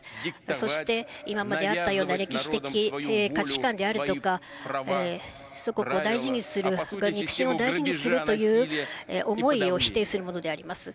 そして今まであったような歴史的価値観であるとか、祖国を大事にする、歴史を大事にするという思いを否定するものであります。